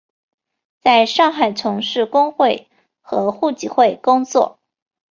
在上海从事工会和互济会工作。